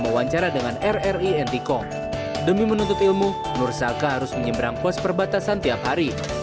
wawancara dengan rri ntkom demi menuntut ilmu nur saka harus menyeberang pos perbatasan tiap hari